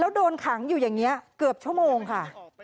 แล้วโดนขังอยู่อย่างนี้เกือบชั่วโมงค่ะ